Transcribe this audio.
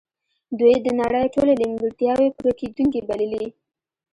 دوی د نړۍ ټولې نیمګړتیاوې پوره کیدونکې بللې